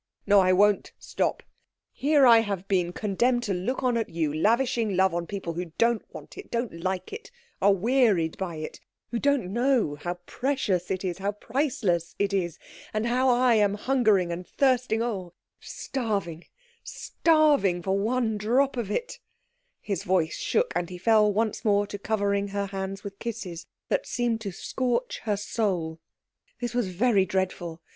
"No, I won't stop; here have I been condemned to look on at you lavishing love on people who don't want it, don't like it, are wearied by it who don't know how precious it is, how priceless it is, and how I am hungering and thirsting oh, starving, starving, for one drop of it " His voice shook, and he fell once more to covering her hands with kisses that seemed to scorch her soul. This was very dreadful.